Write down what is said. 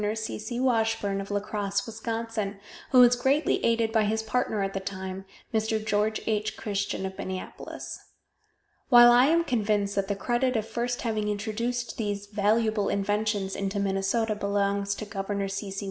C. C. Washburn of La Crosse, Wis., who was greatly aided by his partner at the time, Mr. George H. Christian of Minneapolis. While I am convinced that the credit of first having introduced these valuable inventions into Minnesota belongs to Gov. C. C.